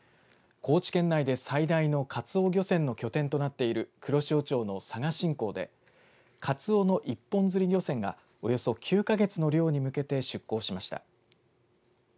高知県内で最大のかつお漁船の拠点となっている黒潮町の佐賀新港でかつおの一本釣り漁船がおよそ９か月の漁に向けて出港しました。